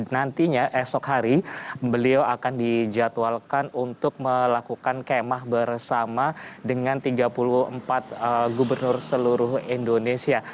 nantinya esok hari beliau akan dijadwalkan untuk melakukan kemah bersama dengan tiga puluh empat gubernur seluruh indonesia